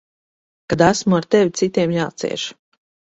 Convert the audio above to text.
Kad esmu ar tevi, citiem jācieš.